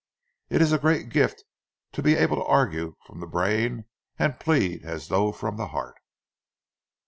It is a great gift to be able to argue from the brain and plead as though from the heart."